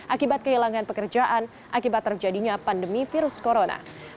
akibat kehilangan pekerjaan akibat terjadinya pandemi virus corona